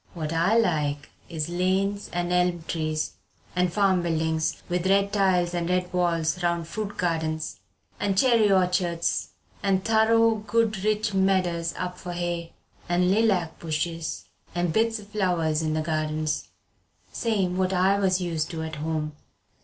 What I like is lanes an' elm trees and farm buildings with red tiles and red walls round fruit gardens and cherry orchards and thorough good rich medders up for hay, and lilac bushes and bits o' flowers in the gardens, same what I was used to at home."